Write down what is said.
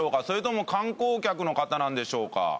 それとも観光客の方なんでしょうか？